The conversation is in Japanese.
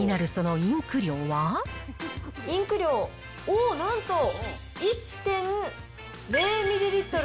インク量、おっ、なんと１．０ミリリットル。